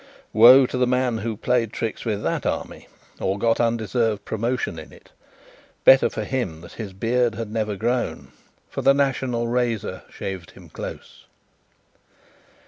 Woe to the man who played tricks with that Army, or got undeserved promotion in it! Better for him that his beard had never grown, for the National Razor shaved him close.